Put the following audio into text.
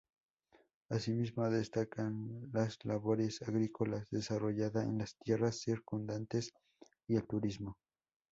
Asimismo destacan las labores agrícolas, desarrollada en las tierras circundantes, y el turismo.